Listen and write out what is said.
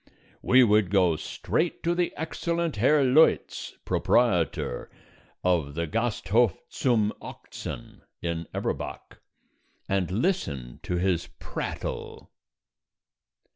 We would go straight to the excellent Herr Leutz, proprietor of the Gasthof zum Ochsen in Eberbach, and listen to his prattle.